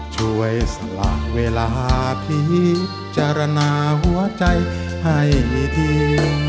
ช่วยสละเวลาพิจารณาหัวใจให้ที